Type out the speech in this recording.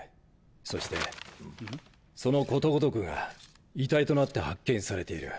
そしてそのことごとくが遺体となって発見されている。